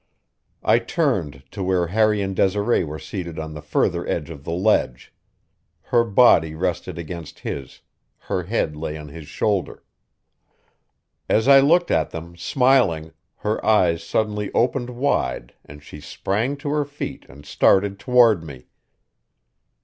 I turned to where Harry and Desiree were seated on the further edge of the ledge. Her body rested against his; her head lay on his shoulder. As I looked at them, smiling, her eyes suddenly opened wide and she sprang to her feet and started toward me.